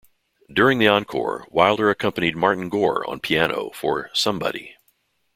During the encore, Wilder accompanied Martin Gore on piano for "Somebody".